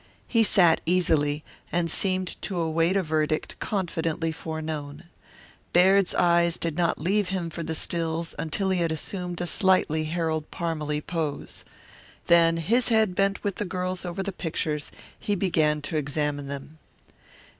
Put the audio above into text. He sat easily, and seemed to await a verdict confidently foreknown. Baird's eyes did not leave him for the stills until he had assumed a slightly Harold Parmalee pose. Then his head with the girl's bent over the pictures, he began to examine them.